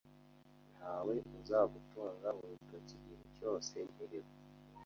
Ntawe uzagutunga urutoki igihe cyose nkiriho.